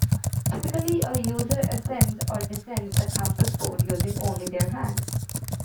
Typically, a user ascends or descends the campus board using only their hands.